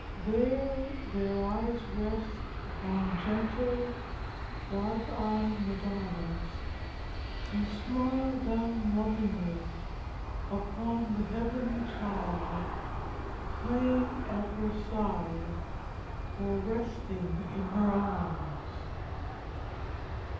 There their eyes rest upon gentle, dark eyed Madonnas, who smile down lovingly upon the heavenly Child, playing at her side or resting in her arms.